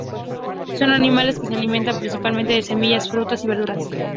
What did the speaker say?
Son animales que se alimentan principalmente de semillas, frutas y verduras.